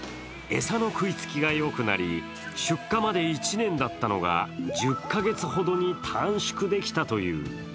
餌の食いつきがよくなり出荷まで１年だったのが１０か月ほどに短縮できたという。